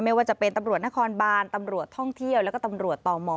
ไม่ว่าจะเป็นตำรวจนครบานตำรวจท่องเที่ยวแล้วก็ตำรวจต่อมอ